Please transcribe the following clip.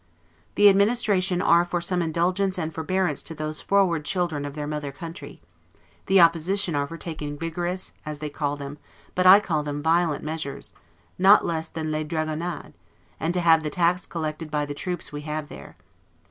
The Administration are for some indulgence and forbearance to those froward children of their mother country; the Opposition are for taking vigorous, as they call them, but I call them violent measures; not less than 'les dragonnades'; and to have the tax collected by the troops we have there.